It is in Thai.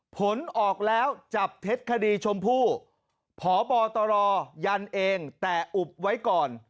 ผลออกแล้วจับเท็จคดีชมพู่พบตรยันเองแต่อุบไว้ก่อน